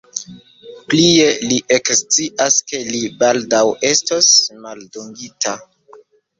Plie, li ekscias, ke li baldaŭ estos maldungita.